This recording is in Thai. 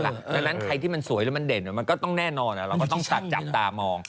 ดังนั้นใครที่มันสวยแล้วมันเด่นมันก็ต้องแน่นอนเราก็ต้องจับตามอง